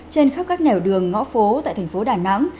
trên khắp các nẻo đường ngõ phố tại thành phố đà nẵng